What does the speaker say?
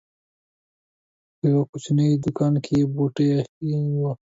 په يوه کوچنۍ دوکان کې یې بوټي اېښي وو.